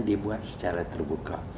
dibuat secara terbuka